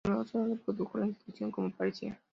En lugar sólo reprodujo la inscripción como parecía.